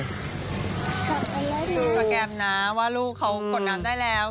กระแกบนะว่าลูกเขากดน้ำได้แล้ว